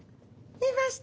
いました。